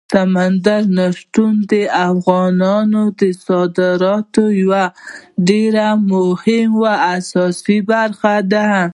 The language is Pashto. سمندر نه شتون د افغانستان د صادراتو یوه ډېره مهمه او اساسي برخه ده.